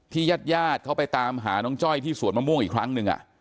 ญาติญาติเขาไปตามหาน้องจ้อยที่สวนมะม่วงอีกครั้งหนึ่ง